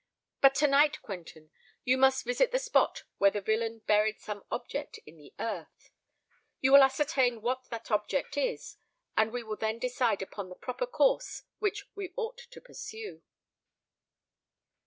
But to night, Quentin, you must visit the spot where the villain buried some object in the earth: you will ascertain what that object is;—and we will then decide upon the proper course which we ought to pursue."